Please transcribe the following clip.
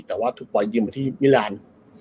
แต่ว่าถูกปล่อยยืมไปที่มิลาน